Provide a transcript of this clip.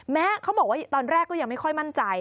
เขาบอกว่าตอนแรกก็ยังไม่ค่อยมั่นใจ